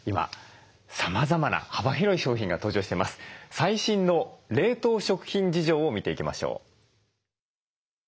最新の冷凍食品事情を見ていきましょう。